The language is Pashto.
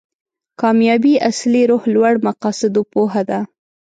کامیابي اصلي روح لوړ مقاصدو پوهه ده.